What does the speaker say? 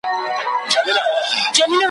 په څو ورځو کي پخه انډیوالي سوه ,